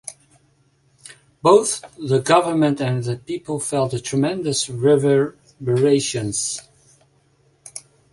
Both the government and the people felt the tremendous reverberations.